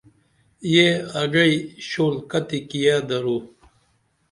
یہ اگعئی/شول کتیکیہ درو؟